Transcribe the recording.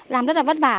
làm rất là vất vả